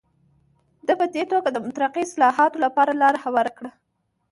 ده په دې توګه د مترقي اصلاحاتو لپاره لاره هواره کړه.